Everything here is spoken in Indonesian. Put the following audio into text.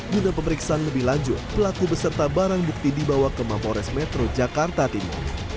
guna pemeriksaan lebih lanjut pelaku beserta barang bukti dibawa ke mapores metro jakarta timur